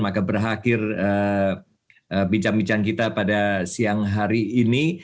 maka berakhir bincang bincang kita pada siang hari ini